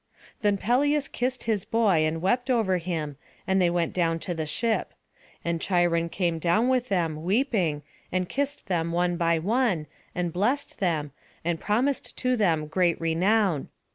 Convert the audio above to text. Then Peleus kissed his boy, and wept over him, and they went down to the ship; and Cheiron came down with them, weeping, and kissed them one by one, and blest them, and promised to them great renown.